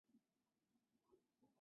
但这样的规则也有些例外。